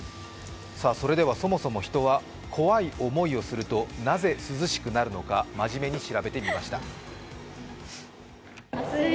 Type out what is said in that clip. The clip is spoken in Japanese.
それではそもそも人は怖い思いをするとなぜ涼しくなるのかまじめに調べてみました。